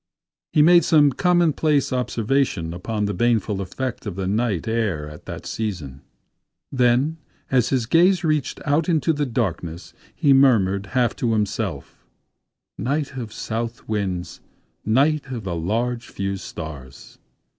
He made some commonplace observation upon the baneful effect of the night air at the season. Then as his gaze reached out into the darkness, he murmured, half to himself: "'Night of south winds—night of the large few stars!